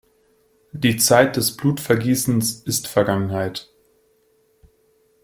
Die Zeit des Blutvergießens ist Vergangenheit!